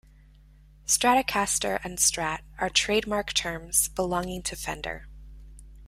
"Stratocaster" and "Strat" are trademark terms belonging to Fender.